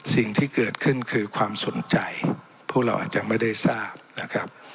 สิ่งที่เกิดขึ้นคือความสนใจพวกเราอาจจะไม่ได้ทราบนะครับ